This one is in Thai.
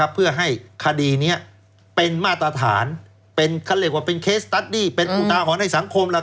เพื่อให้คดีนี้เป็นมาตรฐานเป็นเคสตัดดี้เป็นอุตาห์ของในสังคม